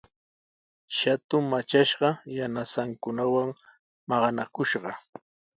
Shatu matrashqa yanasankunawan maqanakushqa.